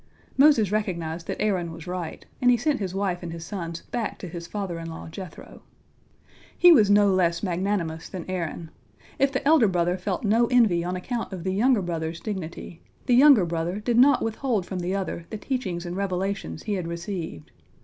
Moses recognized that Aaron was right, and he sent his wife and his sons back to his father in law Jethro. He was no less magnanimous than Aaron. If the elder brother felt no envy on account of the younger brother's dignity, the younger brother did not withhold from the other the teachings and revelations he had received.